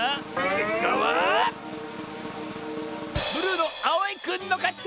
けっかはブルーのあおいくんのかち！